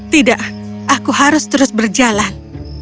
tidak aku harus terus berjalan